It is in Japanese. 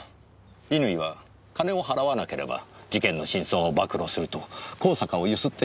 乾は金を払わなければ事件の真相を暴露すると香坂をゆすっていました。